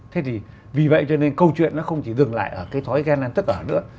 thế thì vì vậy cho nên câu chuyện nó không chỉ dừng lại ở cái thói ghen tức ở nữa